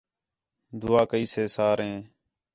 دُعا کَئی سے ساریں